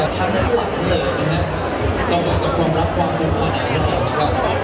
ทั้งหลักเลยตรงกับความรับความรู้ขนาดใหญ่